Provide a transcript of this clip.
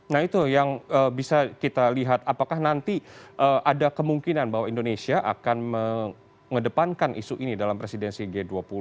nah itu yang bisa kita lihat apakah nanti ada kemungkinan bahwa indonesia akan mengedepankan isu ini dalam presidensi g dua puluh